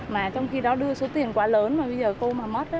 mà trong khi đó đưa số tiền quá lớn mà bây giờ cô mà mất đó